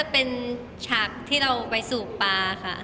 เป็นฉากที่เราไปสูบปลาค่ะ